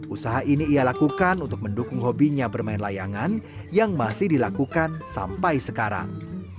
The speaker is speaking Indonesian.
usaha ini ia lakukan untuk mendukung hobinya bermain layangan yang masih dilakukan sampai sekarang